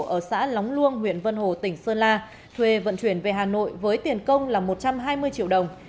ở xã lóng luông huyện vân hồ tỉnh sơn la thuê vận chuyển về hà nội với tiền công là một trăm hai mươi triệu đồng